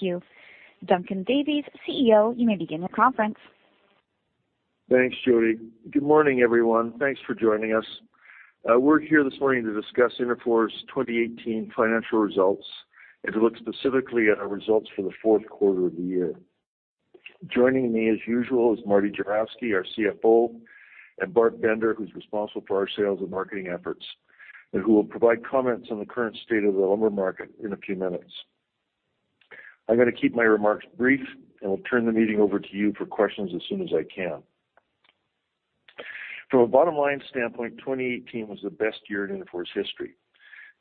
Thank you. Duncan Davies, CEO, you may begin your conference. Thanks, Jody. Good morning, everyone. Thanks for joining us. We're here this morning to discuss Interfor's 2018 financial results and to look specifically at our results for the fourth quarter of the year. Joining me, as usual, is Marty Juravsky, our CFO, and Bart Bender, who's responsible for our sales and marketing efforts, and who will provide comments on the current state of the lumber market in a few minutes. I'm gonna keep my remarks brief, and I'll turn the meeting over to you for questions as soon as I can. From a bottom-line standpoint, 2018 was the best year in Interfor's history.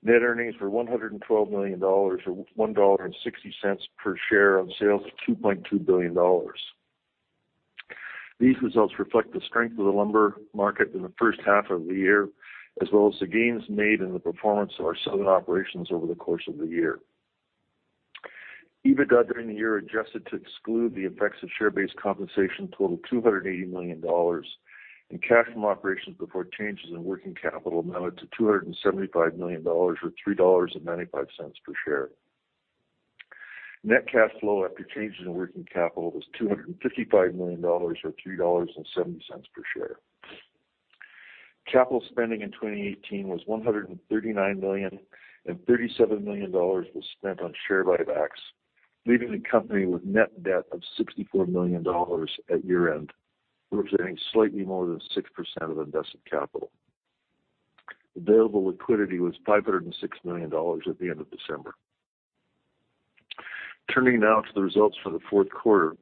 Net earnings were $112 million, or $1.60 per share on sales of $2.2 billion. These results reflect the strength of the lumber market in the first half of the year, as well as the gains made in the performance of our southern operations over the course of the year. EBITDA during the year, adjusted to exclude the effects of share-based compensation, totaled 280 million dollars, and cash from operations before changes in working capital amounted to 275 million dollars, or 3.95 dollars per share. Net cash flow after changes in working capital was 255 million dollars, or 2.70 dollars per share. Capital spending in 2018 was 139 million, and 37 million dollars was spent on share buybacks, leaving the company with net debt of 64 million dollars at year-end, representing slightly more than 6% of invested capital. Available liquidity was CAD $506 million at the end of December. Turning now to the results for the fourth quarter,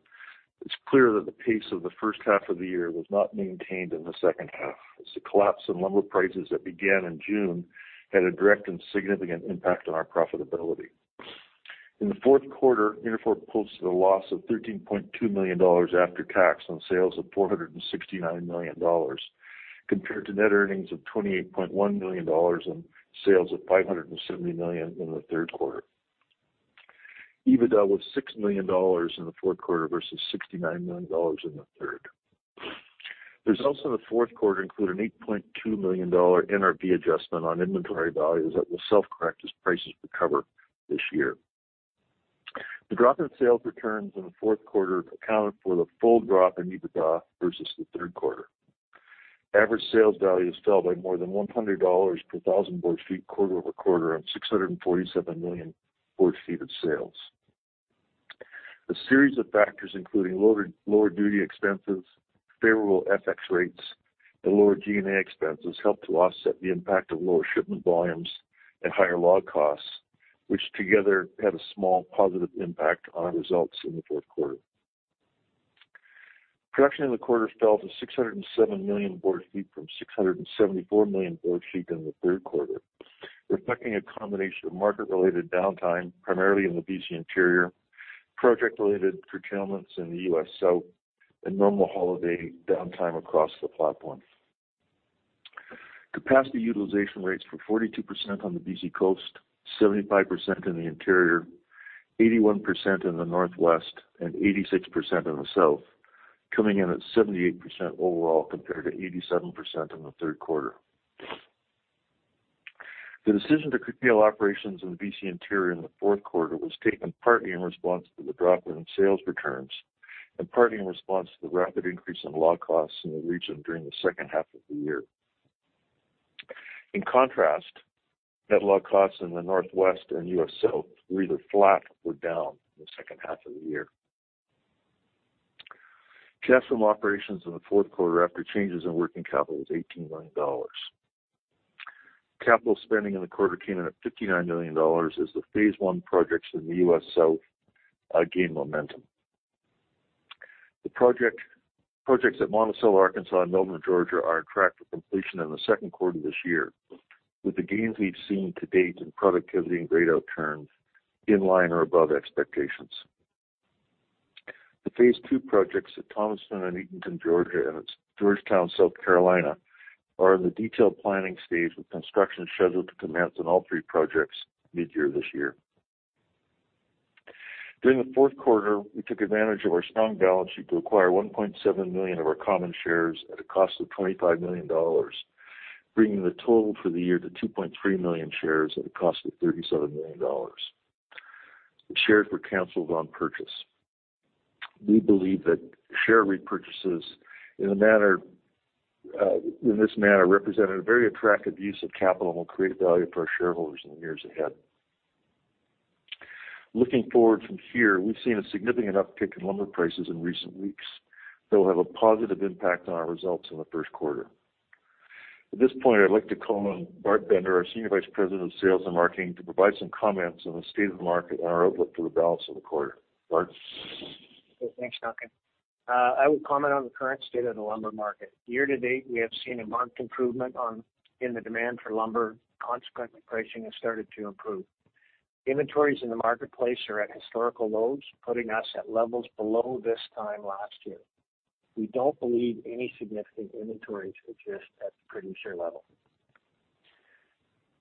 it's clear that the pace of the first half of the year was not maintained in the second half, as the collapse in lumber prices that began in June had a direct and significant impact on our profitability. In the fourth quarter, Interfor posted a loss of CAD $13.2 million after tax on sales of CAD $469 million, compared to net earnings of CAD $28.1 million on sales of CAD $570 million in the third quarter. EBITDA was CAD $6 million in the fourth quarter versus CAD $69 million in the third. Results in the fourth quarter include a CAD $8.2 million NRV adjustment on inventory values that will self-correct as prices recover this year. The drop in sales returns in the fourth quarter accounted for the full drop in EBITDA versus the third quarter. Average sales values fell by more than $100 per 1,000 board feet quarter-over-quarter on 647 million board feet of sales. A series of factors, including lower duty expenses, favorable FX rates, and lower G&A expenses, helped to offset the impact of lower shipment volumes and higher log costs, which together had a small positive impact on our results in the fourth quarter. Production in the quarter fell to 607 million board feet from 674 million board feet in the third quarter, reflecting a combination of market-related downtime, primarily in the BC Interior, project-related curtailments in the U.S. South, and normal holiday downtime across the platform. Capacity utilization rates were 42% on the BC Coast, 75% in the Interior, 81% in the Northwest, and 86% in the South, coming in at 78% overall, compared to 87% in the third quarter. The decision to curtail operations in the BC Interior in the fourth quarter was taken partly in response to the drop in sales returns and partly in response to the rapid increase in log costs in the region during the second half of the year. In contrast, net log costs in the Northwest and U.S. South were either flat or down in the second half of the year. Cash from operations in the fourth quarter after changes in working capital was $18 million. Capital spending in the quarter came in at $59 million as the phase one projects in the U.S. South, gained momentum. The projects at Monticello, Arkansas, and Milner, Georgia, are on track for completion in the second quarter this year, with the gains we've seen to date in productivity and grade outturns in line or above expectations. The phase two projects at Thomaston and Eatonton, Georgia, and Georgetown, South Carolina, are in the detailed planning stage, with construction scheduled to commence on all three projects midyear this year. During the fourth quarter, we took advantage of our strong balance sheet to acquire 1.7 million of our common shares at a cost of 25 million dollars, bringing the total for the year to 2.3 million shares at a cost of 37 million dollars. The shares were canceled on purchase. We believe that share repurchases in a manner, in this manner, represented a very attractive use of capital and will create value for our shareholders in the years ahead. Looking forward from here, we've seen a significant uptick in lumber prices in recent weeks that will have a positive impact on our results in the first quarter. At this point, I'd like to call on Bart Bender, our Senior Vice President of Sales and Marketing, to provide some comments on the state of the market and our outlook for the balance of the quarter. Bart? Thanks, Duncan. I will comment on the current state of the lumber market. Year to date, we have seen a marked improvement in the demand for lumber. Consequently, pricing has started to improve. Inventories in the marketplace are at historical lows, putting us at levels below this time last year. We don't believe any significant inventories exist at the producer level.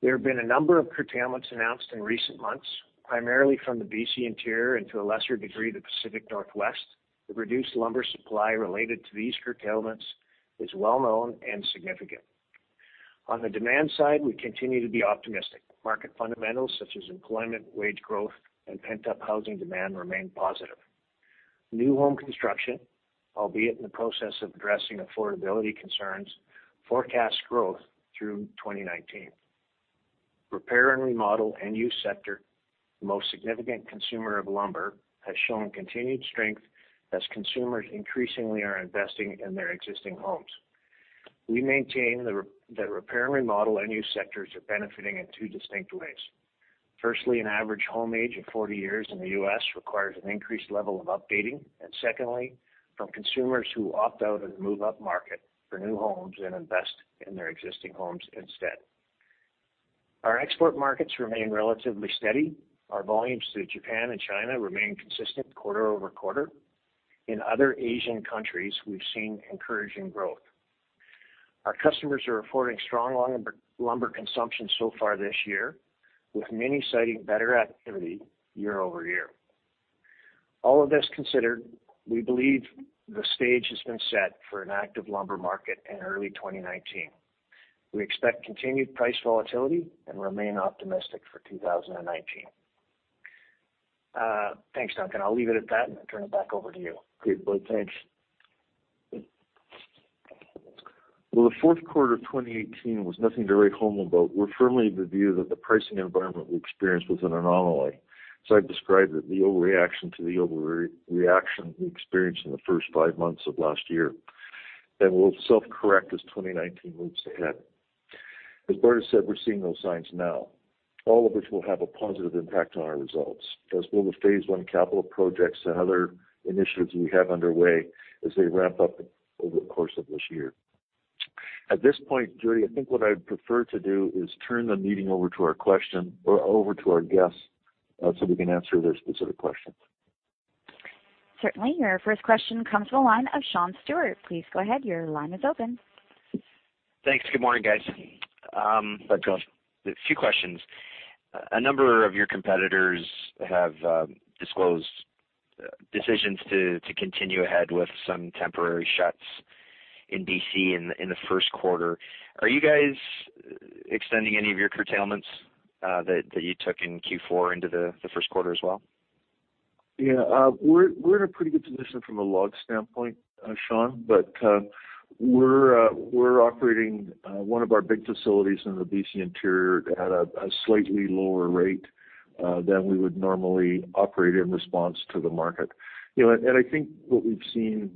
There have been a number of curtailments announced in recent months, primarily from the BC Interior and, to a lesser degree, the Pacific Northwest. The reduced lumber supply related to these curtailments is well known and significant. On the demand side, we continue to be optimistic. Market fundamentals, such as employment, wage growth, and pent-up housing demand remain positive. New home construction, albeit in the process of addressing affordability concerns, forecast growth through 2019. Repair and remodel end-use sector, the most significant consumer of lumber, has shown continued strength as consumers increasingly are investing in their existing homes. We maintain the repair and remodel end-use sectors are benefiting in two distinct ways. Firstly, an average home age of 40 years in the U.S. requires an increased level of updating, and secondly, from consumers who opt out and move up market for new homes and invest in their existing homes instead. Our export markets remain relatively steady. Our volumes to Japan and China remain consistent quarter-over-quarter. In other Asian countries, we've seen encouraging growth. Our customers are reporting strong lumber consumption so far this year, with many citing better activity year-over-year. All of this considered, we believe the stage has been set for an active lumber market in early 2019. We expect continued price volatility and remain optimistic for 2019. Thanks, Duncan. I'll leave it at that and turn it back over to you. Great, Bart, thanks. Well, the fourth quarter of 2018 was nothing to write home about. We're firmly of the view that the pricing environment we experienced was an anomaly. So I've described it, the overreaction to the overreaction we experienced in the first five months of last year, and will self-correct as 2019 moves ahead. As Bart has said, we're seeing those signs now, all of which will have a positive impact on our results, as will the phase one capital projects and other initiatives we have underway as they ramp up over the course of this year. At this point, Jody, I think what I'd prefer to do is turn the meeting over to our guests, so we can answer their specific questions. Certainly. Your first question comes from the line of Sean Steuart. Please go ahead. Your line is open. Thanks. Good morning, guys. Hi, Sean. A few questions. A number of your competitors have disclosed decisions to continue ahead with some temporary shuts in BC in the first quarter. Are you guys extending any of your curtailments that you took in Q4 into the first quarter as well? Yeah, we're in a pretty good position from a log standpoint, Sean, but we're operating one of our big facilities in the BC Interior at a slightly lower rate than we would normally operate in response to the market. You know, and I think what we've seen,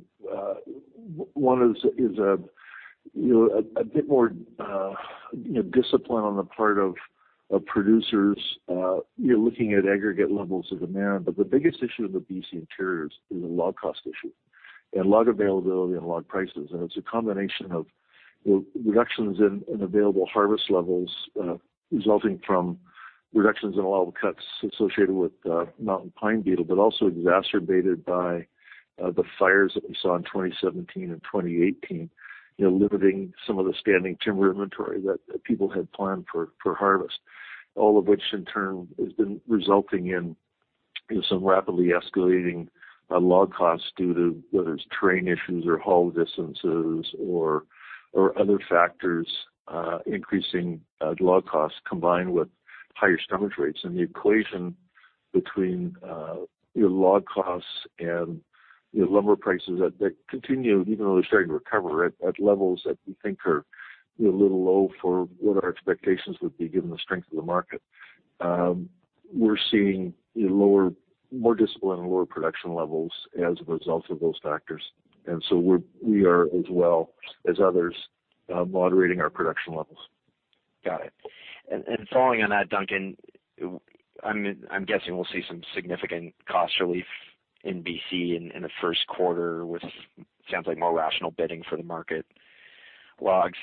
one is a bit more, you know, discipline on the part of producers. You're looking at aggregate levels of demand, but the biggest issue in the BC Interior is a log cost issue, and log availability and log prices. It's a combination of, you know, reductions in available harvest levels resulting from reductions in allowable cuts associated with mountain pine beetle, but also exacerbated by the fires that we saw in 2017 and 2018, you know, limiting some of the standing timber inventory that people had planned for harvest. All of which in turn has been resulting in some rapidly escalating log costs due to whether it's terrain issues or haul distances or other factors increasing log costs combined with higher stumpage rates. And the equation between your log costs and, you know, lumber prices that continue even though they're starting to recover at levels that we think are, you know, a little low for what our expectations would be given the strength of the market. We're seeing lower more discipline and lower production levels as a result of those factors. And so we're, we are, as well as others, moderating our production levels. Got it. And following on that, Duncan, I'm guessing we'll see some significant cost relief in BC in the first quarter, with sounds like more rational bidding for the market logs.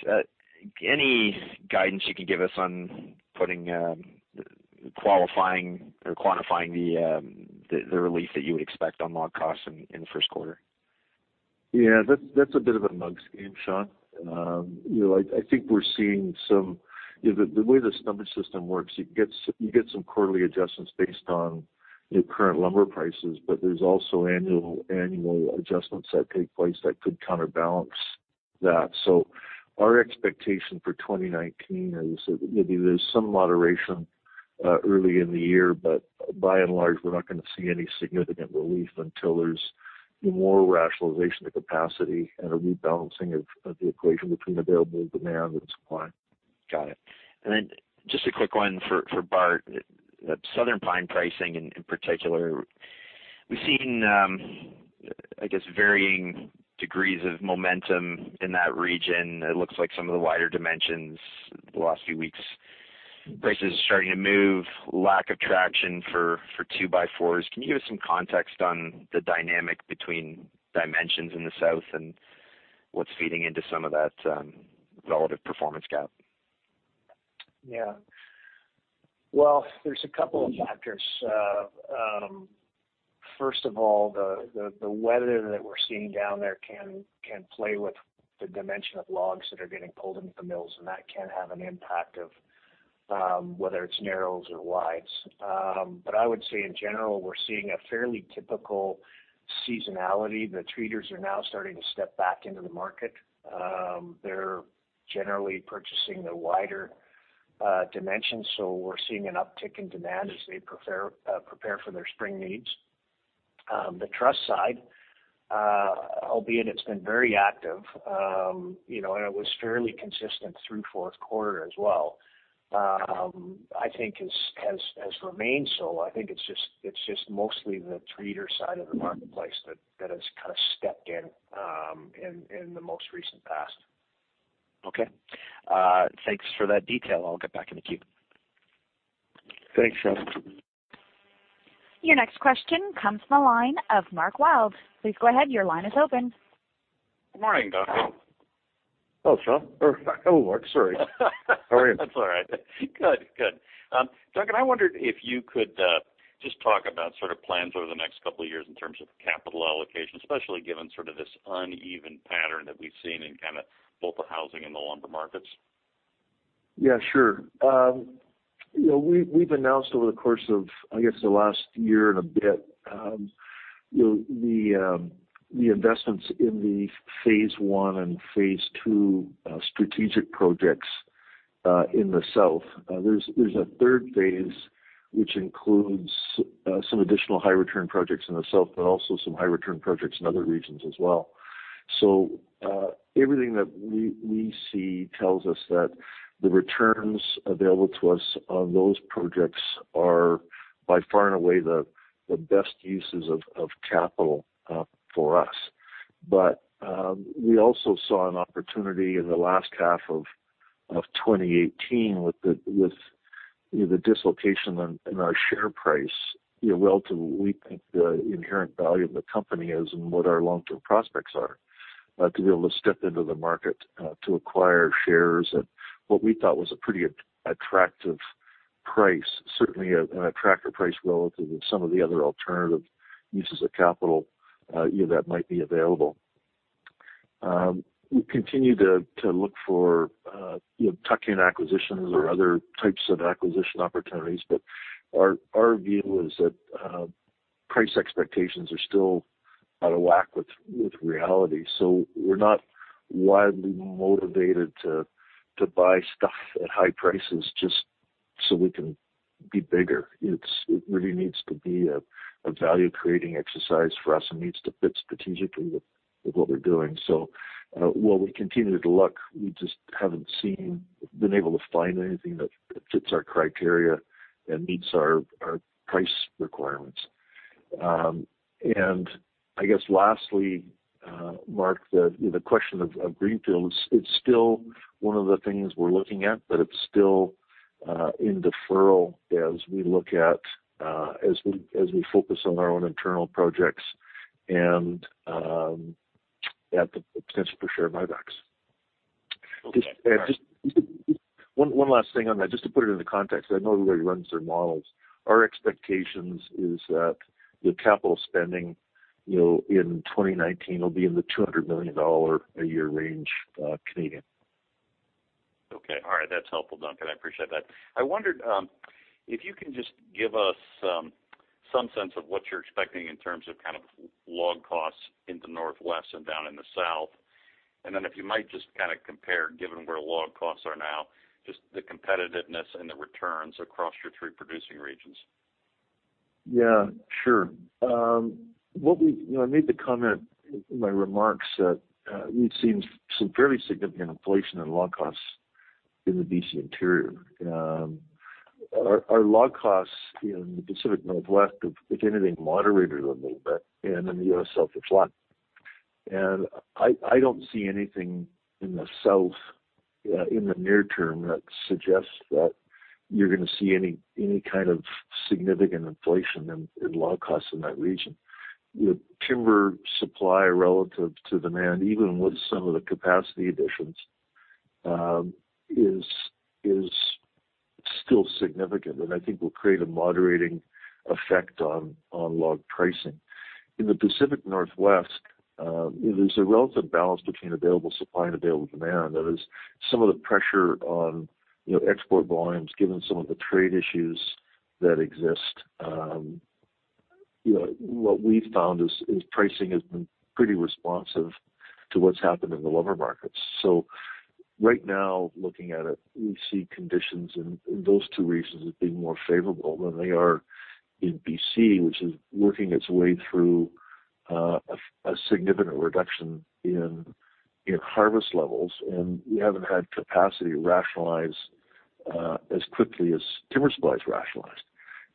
Any guidance you can give us on putting, qualifying or quantifying the relief that you would expect on log costs in the first quarter? Yeah, that's a bit of a mug's game, Sean. You know, I think we're seeing some... You know, the way the stumpage system works, you get some quarterly adjustments based on current lumber prices, but there's also annual adjustments that take place that could counterbalance that. So our expectation for 2019 is that maybe there's some moderation early in the year, but by and large, we're not gonna see any significant relief until there's more rationalization of capacity and a rebalancing of the equation between available demand and supply. Got it. And then just a quick one for Bart. Southern Pine pricing in particular, we've seen, I guess, varying degrees of momentum in that region. It looks like some of the wider dimensions the last few weeks, prices are starting to move, lack of traction for two by fours. Can you give us some context on the dynamic between dimensions in the South and what's feeding into some of that relative performance gap? Yeah. Well, there's a couple of factors. First of all, the weather that we're seeing down there can play with the dimension of logs that are getting pulled into the mills, and that can have an impact of, whether it's narrows or wides. But I would say in general, we're seeing a fairly typical seasonality. The treaters are now starting to step back into the market. They're generally purchasing the wider dimensions, so we're seeing an uptick in demand as they prepare for their spring needs. The truss side, albeit it's been very active, you know, and it was fairly consistent through fourth quarter as well. I think has remained so. I think it's just mostly the treater side of the marketplace that has kind of stepped in, in the most recent past. Okay. Thanks for that detail. I'll get back in the queue. Thanks, Sean. Your next question comes from the line of Mark Wilde. Please go ahead. Your line is open. Good morning, Duncan. Hello, Sean, or hello, Mark, sorry. How are you? That's all right. Good. Good. Duncan, I wondered if you could just talk about sort of plans over the next couple of years in terms of capital allocation, especially given sort of this uneven pattern that we've seen in kind of both the housing and the lumber markets. Yeah, sure. You know, we've announced over the course of, I guess, the last year and a bit, you know, the investments in the phase one and phase two strategic projects in the south. There's a third phase, which includes some additional high return projects in the south, but also some high return projects in other regions as well. So, everything that we see tells us that the returns available to us on those projects are by far and away the best uses of capital for us. But, we also saw an opportunity in the last half of 2018 with the, you know, the dislocation in our share price, you know, relative to what we think the inherent value of the company is and what our long-term prospects are. To be able to step into the market, to acquire shares at what we thought was a pretty attractive price, certainly an attractive price, relative to some of the other alternative uses of capital, you know, that might be available. We continue to look for, you know, tuck-in acquisitions or other types of acquisition opportunities, but our view is that price expectations are still out of whack with reality. So we're not widely motivated to buy stuff at high prices just so we can be bigger. It really needs to be a value creating exercise for us, and needs to fit strategically with what we're doing. So, while we continue to look, we just haven't been able to find anything that fits our criteria and meets our price requirements. And I guess lastly, Mark, the question of greenfields, it's still one of the things we're looking at, but it's still in deferral as we focus on our own internal projects and at the potential for share buybacks. Okay. Just one last thing on that, just to put it into context. I know everybody runs their models. Our expectations is that the capital spending, you know, in 2019, will be in the 200 million dollar a year range, Canadian. Okay, all right. That's helpful, Duncan. I appreciate that. I wondered if you can just give us some sense of what you're expecting in terms of kind of log costs in the Northwest and down in the South. And then if you might just kind of compare, given where log costs are now, just the competitiveness and the returns across your three producing regions. Yeah, sure. You know, I made the comment in my remarks that, we've seen some fairly significant inflation in log costs in the BC Interior. Our, our log costs, you know, in the Pacific Northwest, have, if anything, moderated a little bit, and in the U.S. South, it's flat. And I, I don't see anything in the South, in the near term that suggests that you're gonna see any, any kind of significant inflation in, in log costs in that region. The timber supply relative to demand, even with some of the capacity additions, is, is still significant, and I think will create a moderating effect on, on log pricing. In the Pacific Northwest, there's a relative balance between available supply and available demand. That is, some of the pressure on, you know, export volumes, given some of the trade issues that exist, you know, what we've found is pricing has been pretty responsive to what's happened in the lumber markets. So right now, looking at it, we see conditions in those two regions as being more favorable than they are in BC, which is working its way through a significant reduction in harvest levels, and we haven't had capacity to rationalize as quickly as timber supplies rationalized.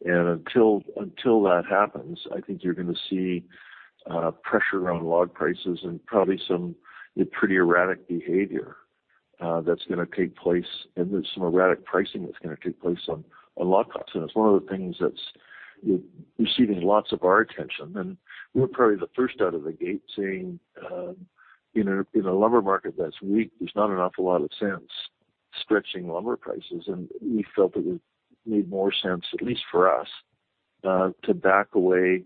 And until that happens, I think you're gonna see pressure around log prices and probably some pretty erratic behavior that's gonna take place, and there's some erratic pricing that's gonna take place on log costs. And it's one of the things that's, you know, receiving lots of our attention. We're probably the first out of the gate saying, in a lumber market that's weak, there's not an awful lot of sense stretching lumber prices. We felt it would made more sense, at least for us, to back away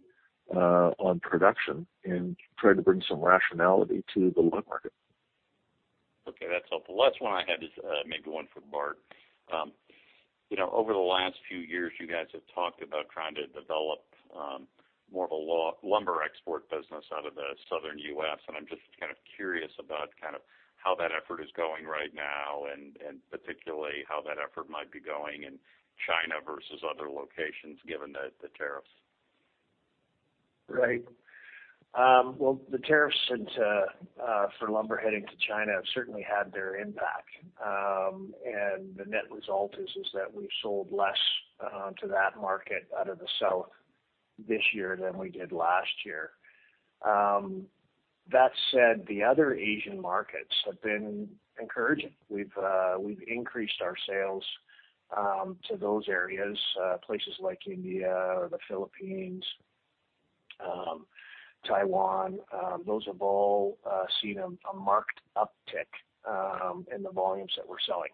on production and try to bring some rationality to the lumber market. Okay, that's helpful. Last one I had is maybe one for Bart. You know, over the last few years, you guys have talked about trying to develop more of a lumber export business out of the Southern U.S., and I'm just kind of curious about kind of how that effort is going right now, and particularly how that effort might be going in China versus other locations, given the tariffs. Right. Well, the tariffs into, for lumber heading to China have certainly had their impact. And the net result is that we've sold less to that market out of the South this year than we did last year. That said, the other Asian markets have been encouraging. We've, we've increased our sales to those areas, places like India or the Philippines, Taiwan, those have all seen a marked uptick in the volumes that we're selling.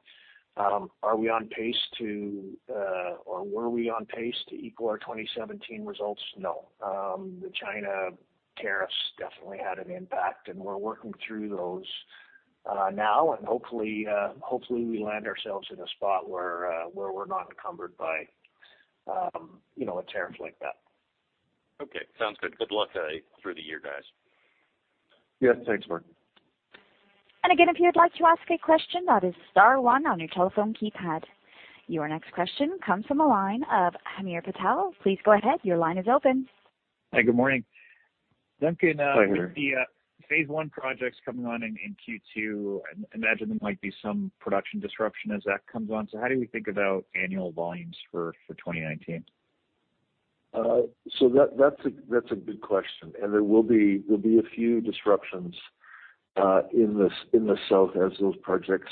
Are we on pace to, or were we on pace to equal our 2017 results? No. The China tariffs definitely had an impact, and we're working through those now, and hopefully, hopefully, we land ourselves in a spot where, where we're not encumbered by, you know, a tariff like that. Okay. Sounds good. Good luck through the year, guys. Yes. Thanks, Mark. And again, if you'd like to ask a question, that is star one on your telephone keypad. Your next question comes from the line of Hamir Patel. Please go ahead. Your line is open. Hi, good morning. Hi there. Duncan, with the phase one projects coming on in Q2, I imagine there might be some production disruption as that comes on. So how do we think about annual volumes for 2019? So that's a good question, and there will be a few disruptions in the South as those projects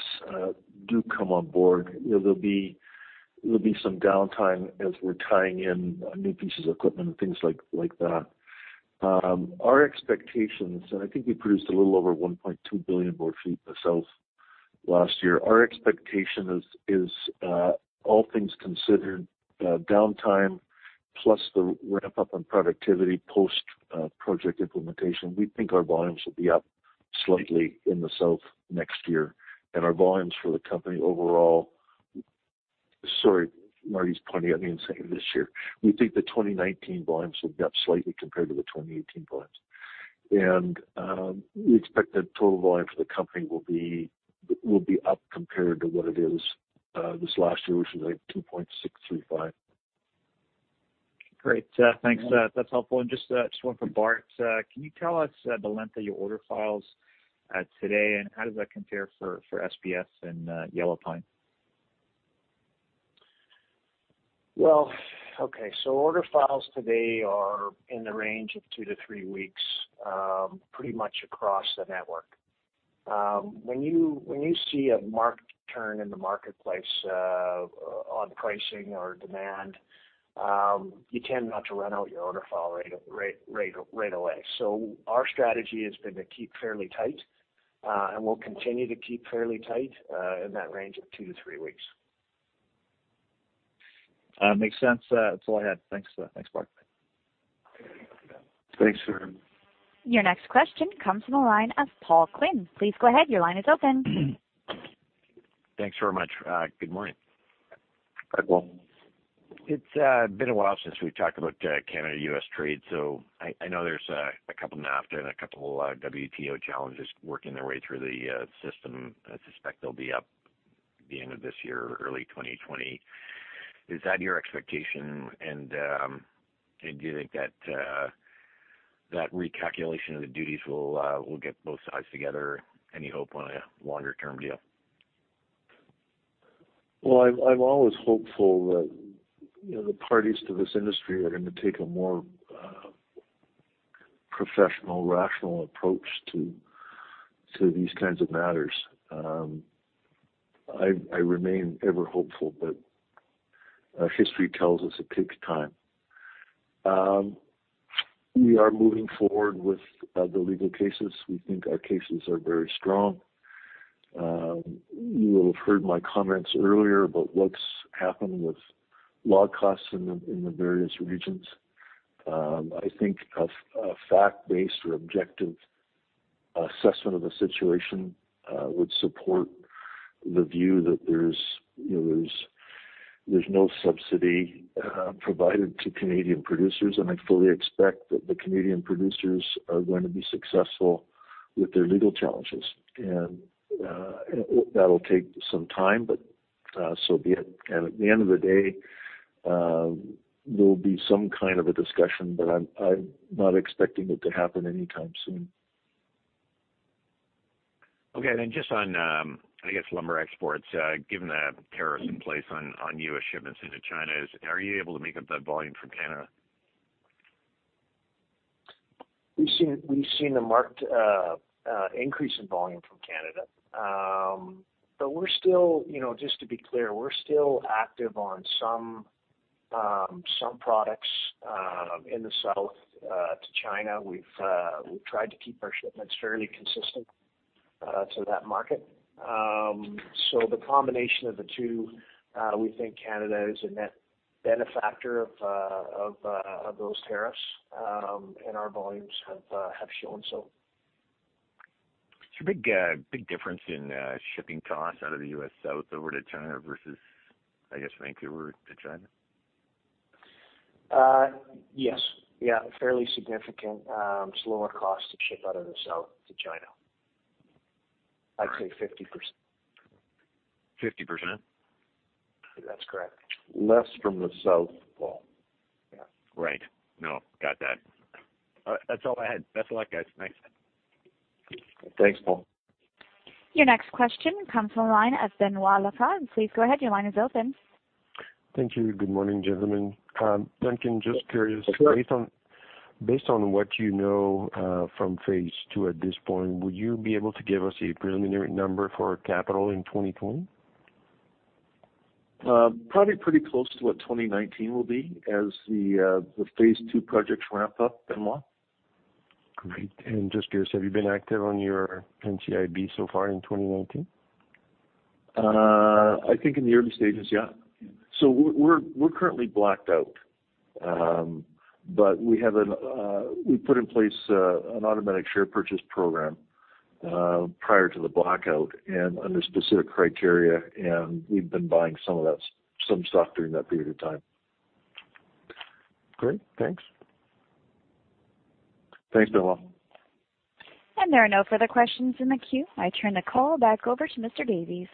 do come on board. You know, there'll be some downtime as we're tying in new pieces of equipment and things like that. Our expectations, and I think we produced a little over 1.2 billion board feet in the South last year. Our expectation is, all things considered, downtime plus the ramp up in productivity, post project implementation, we think our volumes will be up slightly in the South next year, and our volumes for the company overall... Sorry, Marty's pointing at me and saying, "This year." We think the 2019 volumes will be up slightly compared to the 2018 volumes. We expect that total volume for the company will be, will be up compared to what it is, this last year, which was, like, 2.635. Great. Thanks. That's helpful. And just, just one from Bart. Can you tell us the length of your order files, today, and how does that compare for, for SPF and, Yellow Pine? Well, okay, so order files today are in the range of two to three weeks, pretty much across the network. When you see a marked turn in the marketplace, on pricing or demand, you tend not to run out your order file right away. So our strategy has been to keep fairly tight, and we'll continue to keep fairly tight, in that range of two to three weeks. Makes sense. That's all I had. Thanks, thanks, Bart. Thanks, sir. Your next question comes from the line of Paul Quinn. Please go ahead. Your line is open. Thanks very much. Good morning. Hi, Paul. It's been a while since we've talked about Canada-U.S. trade, so I know there's a couple NAFTA and a couple WTO challenges working their way through the system. I suspect they'll be up the end of this year or early 2020. Is that your expectation? And do you think that recalculation of the duties will get both sides together? Any hope on a longer-term deal? Well, I'm always hopeful that, you know, the parties to this industry are gonna take a more professional, rational approach to these kinds of matters. I remain ever hopeful, but history tells us it takes time. We are moving forward with the legal cases. We think our cases are very strong. You will have heard my comments earlier about what's happened with log costs in the various regions. I think a fact-based or objective assessment of the situation would support the view that there's, you know, no subsidy provided to Canadian producers, and I fully expect that the Canadian producers are going to be successful with their legal challenges. And that'll take some time, but so be it. At the end of the day, there'll be some kind of a discussion, but I'm not expecting it to happen anytime soon. Okay. And then just on, I guess, lumber exports, given the tariffs in place on U.S. shipments into China, are you able to make up that volume from Canada? We've seen a marked increase in volume from Canada. But we're still, you know, just to be clear, we're still active on some products in the South to China. We've tried to keep our shipments fairly consistent to that market. So the combination of the two, we think Canada is a net benefactor of those tariffs, and our volumes have shown so. Is there a big, big difference in shipping costs out of the U.S. South over to China versus, I guess, Vancouver to China? Yes. Yeah, fairly significant lower cost to ship out of the South to China. I'd say 50%. Fifty percent? That's correct. Less from the South, Paul. Yeah. Right. No, got that. That's all I had. Best of luck, guys. Thanks. Thanks, Paul. Your next question comes from the line of Benoit Laprade. Please go ahead. Your line is open. Thank you. Good morning, gentlemen. Duncan, just curious- Sure. Based on, based on what you know from phase two at this point, would you be able to give us a preliminary number for capital in 2020? Probably pretty close to what 2019 will be as the phase two projects ramp up, Benoit. Great. Just curious, have you been active on your NCIB so far in 2019? I think in the early stages, yeah. So we're currently blacked out, but we put in place an automatic share purchase program prior to the blackout and under specific criteria, and we've been buying some of that stock during that period of time. Great. Thanks. Thanks, Benoit. There are no further questions in the queue. I turn the call back over to Mr. Davies.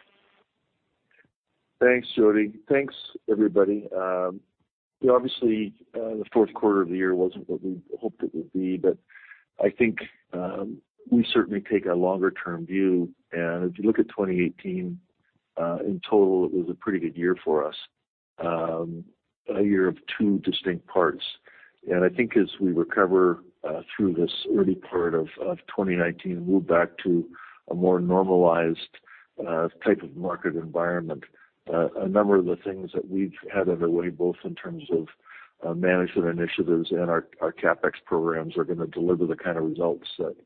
Thanks, Jody. Thanks, everybody. Obviously, the fourth quarter of the year wasn't what we hoped it would be, but I think, we certainly take a longer-term view. And if you look at 2018, in total, it was a pretty good year for us, a year of two distinct parts. And I think as we recover, through this early part of twenty nineteen and move back to a more normalized, type of market environment, a number of the things that we've had underway, both in terms of, management initiatives and our, our CapEx programs, are gonna deliver the kind of results that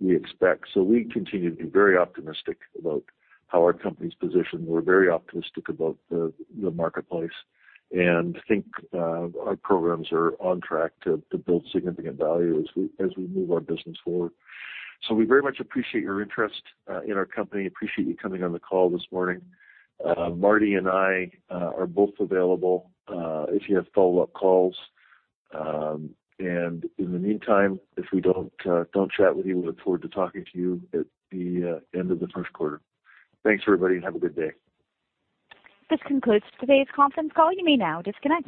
we expect. So we continue to be very optimistic about how our company's positioned. We're very optimistic about the marketplace, and think our programs are on track to build significant value as we move our business forward. So we very much appreciate your interest in our company, appreciate you coming on the call this morning. Marty and I are both available if you have follow-up calls. And in the meantime, if we don't chat with you, we look forward to talking to you at the end of the first quarter. Thanks, everybody, and have a good day. This concludes today's conference call. You may now disconnect.